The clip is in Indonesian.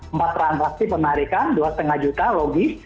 empat transaksi penarikan dua lima juta logis